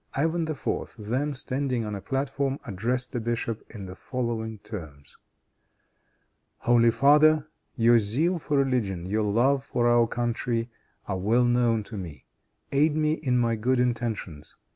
Ivan IV. then, standing on a platform, addressed the bishop in the following terms: "Holy father! Your zeal for religion, your love for our country are well known to me; aid me in my good intentions.